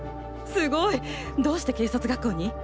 すごい。どうして警察学校に？